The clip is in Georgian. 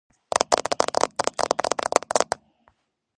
გუნდი უბრალოდ სვლას განაგრძობდა და დიდი ყურადღების ცენტრშიც არ ხვდებოდა.